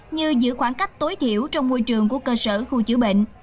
như giữ khoảng cách tối thiểu trong môi trường của cơ sở khu chữa bệnh